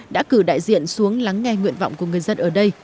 đã cử đại diện xuống lắng nghe nguyện vọng của người dân ở đây